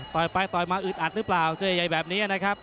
ไปต่อยมาอึดอัดหรือเปล่าเจอใหญ่แบบนี้นะครับ